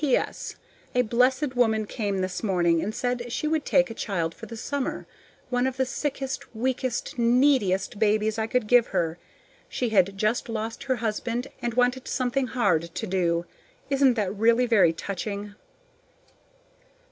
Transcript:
P.S. A blessed woman came this morning and said she would take a child for the summer one of the sickest, weakest, neediest babies I could give her. She had just lost her husband, and wanted something HARD to do. Isn't that really very touching?